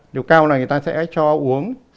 liều cao này người ta sẽ cho uống